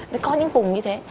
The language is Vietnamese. nó có những vùng như thế